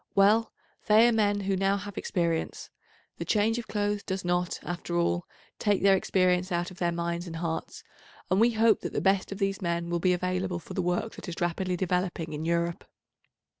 Well, they are men who now have experience; the change of clothes does not, after all, take their experience out of their minds and hearts, and we hope that the best of these men will be available for the work that is rapidly developing in Europe.